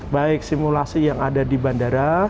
baik simulasi yang ada di bandara